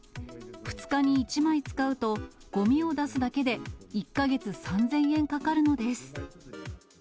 ２日に１枚使うと、ごみを出すだけで１か月３０００円かかるのです。